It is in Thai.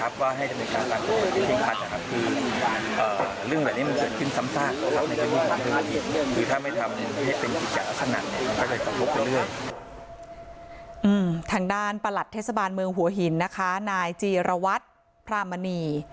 ทางด้านประหลัดเทศบาลเมืองหัวหินนะคะนายจีรวัตรพรามณี